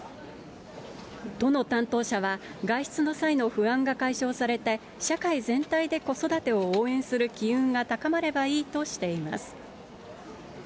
都の担当者は、外出の際の不安が解消されて、社会全体で子育てを応援する機運が高まればいいとしています。